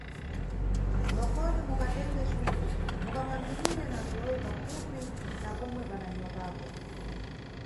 Ndokoni mukatenge cule, mukamangirire na ndzoyi pafupi na pomwe pana nyokapo.